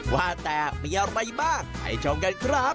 ว่าแต่มีอะไรบ้างไปชมกันครับ